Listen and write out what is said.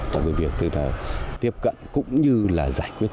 còn việc tiếp cận cũng như giải quyết